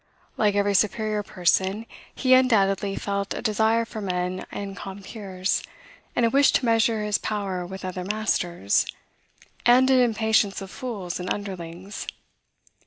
Like every superior person, he undoubtedly felt a desire for men and compeers, and a wish to measure his power with other masters, and an impatience of fools and underlings.